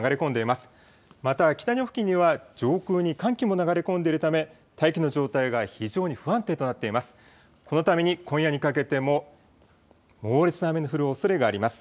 また北日本付近には上空に寒気も流れ込んでいるため大気の状態が非常に不安定となっています。